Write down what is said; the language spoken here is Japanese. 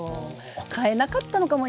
買えなかったのかも。